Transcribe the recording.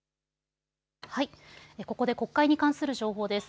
ここで国会に関する情報です。